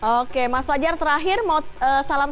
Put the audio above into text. oke mas wajar terakhir mau salam salam